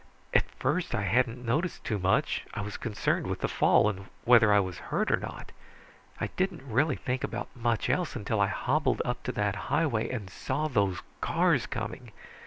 At first I hadn't noticed too much I was concerned with the fall, and whether I was hurt or not. I didn't really think about much else until I hobbled up to that highway and saw those cars coming.